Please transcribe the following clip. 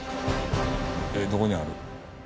えっどこにある？